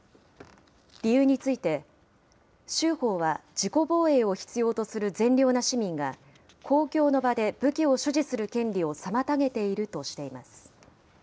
理由について、州法は自己防衛を必要とする善良な市民が、公共の場で武器を所持する権利を妨げているとしています。